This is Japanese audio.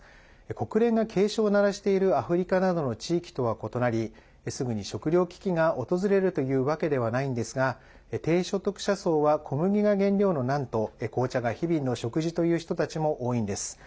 国連が警鐘を鳴らしているアフリカなどの地域とは異なりすぐに食糧危機が訪れるというわけではないんですが低所得者層は小麦が原料のナンと紅茶が日々の食事という人たちも多いんです。